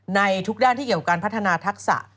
ในทุกด้านที่เกี่ยวกับการพัฒนาทักษะ